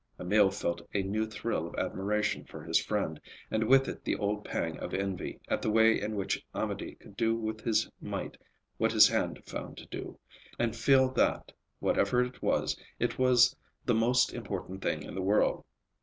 Emil felt a new thrill of admiration for his friend, and with it the old pang of envy at the way in which Amédée could do with his might what his hand found to do, and feel that, whatever it was, it was the most important thing in the world.